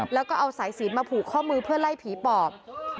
แล้วก็เอาสายศีลมาผูกข้อมือเพื่อไล่ผีปอบ